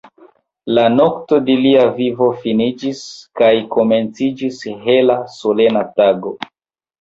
La nokto de lia vivo finiĝis, kaj komenciĝis hela, solena tago.